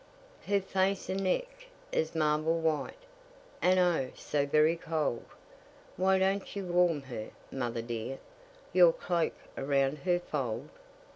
Her face and neck as marble white, And, O, so very cold! Why don't you warm her, mother dear, Your cloak around her fold?